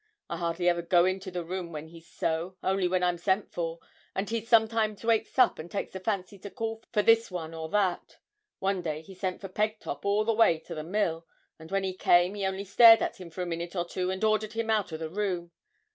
I hardly ever go into the room when he's so, only when I'm sent for; and he sometimes wakes up and takes a fancy to call for this one or that. One day he sent for Pegtop all the way to the mill; and when he came, he only stared at him for a minute or two, and ordered him out o' the room.